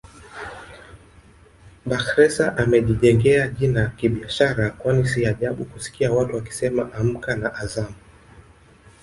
Bakhresa amejijengea jina kibiashara kwani si ajabu kusikia watu wakisema Amka na Azam